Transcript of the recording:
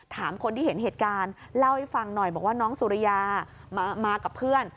ถามคนที่เห็นเหตุการณ์เล่าให้ฟังหน่อยบอกว่าน้องสุริยามากับเพื่อน